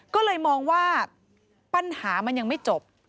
ก็เลยมองว่าปัญหามันยังไม่จบ